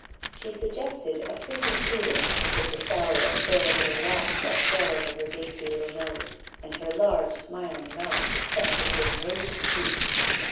She suggested a frizzy poodle with the shower of fair little locks that fell over her dainty little nose, and her large smiling mouth, set between rosy cheeks.